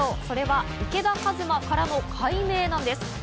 それは池田一真からの改名なんです。